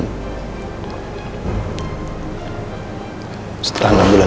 saya akan berusaha selama enam bulan